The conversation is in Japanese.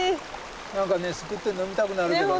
何かねすくって飲みたくなるけどね。